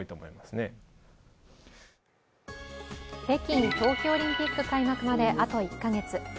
北京冬季オリンピック開幕まであと１カ月。